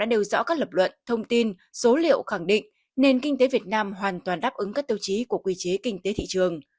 nhưng số liệu khẳng định nền kinh tế việt nam hoàn toàn đáp ứng các tiêu chí của quy chế kinh tế thị trường